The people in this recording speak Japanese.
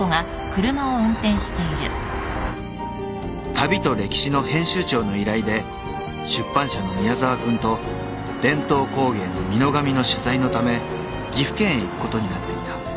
［『旅と歴史』の編集長の依頼で出版社の宮沢君と伝統工芸の美濃紙の取材のため岐阜県へ行くことになっていた。